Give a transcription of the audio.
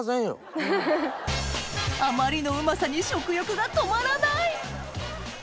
あまりのうまさに食欲が止まらない！